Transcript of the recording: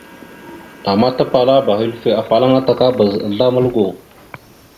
Ama tapalaba hʉlfœ afalaŋa takabaz azzlam algo.